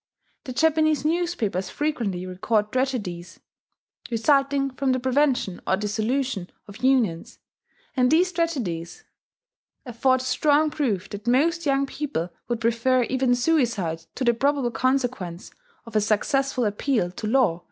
The Japanese newspapers frequently record tragedies resulting from the prevention or dissolution of unions; and these tragedies afford strong proof that most young people would prefer even suicide to the probable consequence of a successful appeal to law against family decision.